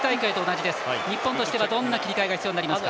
日本としてはどんな切り替えが必要になりますか？